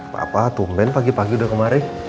pak apa tumpen pagi pagi udah kemari